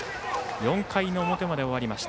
４回の表まで終わりました。